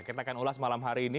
kita akan ulas malam hari ini